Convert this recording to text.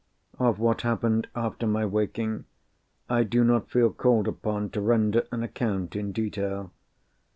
Of what happened after my waking, I do not feel called upon to render an account in detail.